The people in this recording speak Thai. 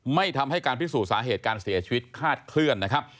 ไม่ทำให้การพิสูจน์สาเหตุการเสียชีวิตคาดเคลื่อนนะครับ